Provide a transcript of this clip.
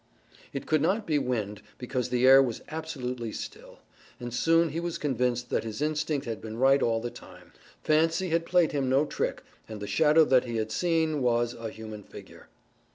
It could not be wind, because the air was absolutely still, and soon he was convinced that his instinct had been right all the time. Fancy had played him no trick and the shadow that he had seen was a human figure.